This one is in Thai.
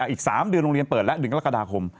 อีก๓เดือนโรงเรียนเปิดแล้ว๑กรกฎาคม